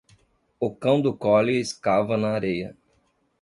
O cão do Collie escava na areia.